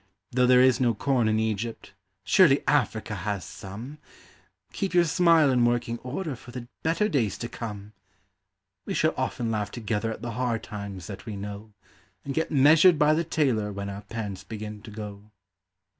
Though there is no corn in Egypt, surely Africa has some Keep your smile in working order for the better days to come ! We shall often laugh together at the hard times that we know, And get measured by the tailor when our pants begin to go.